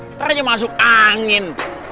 ntar aja masuk angin